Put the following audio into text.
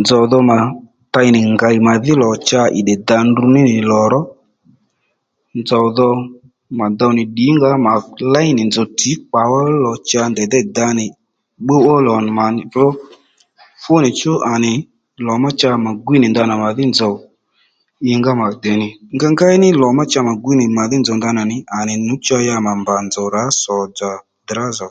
Nzòw dho mà tey nì ngèy mà djú lò cha ì tdè dǎ ndrǔ ní nì lò ró nzòw dho mà dow nì ddǐngǎ mà ley nì nzòw tsǐ kpàwá ró lò cha ndèy dêy dǎ nì pbúw ó lò nì mà nì drǒ fǔníchú à nì lò má cha mà gwíy nì ndanà màdhí nzòw ìngá mà dè nì ngéyngéy ní lò má cha ma gwíy ndanà màdhí nzòw nì à nì nú cho ya ma mbà nzòw rǎ sò-dzà dàrázà ò